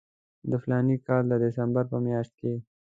د فلاني کال د ډسمبر په میاشت کې.